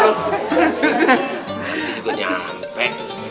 nanti juga nyampe